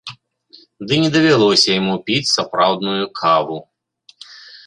Ды не давялося яму піць сапраўдную каву.